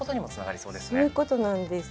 そういうことなんです。